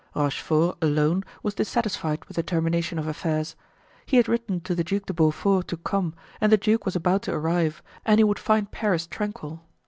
Rochefort alone was dissatisfied with the termination of affairs. He had written to the Duc de Beaufort to come and the duke was about to arrive, and he would find Paris tranquil.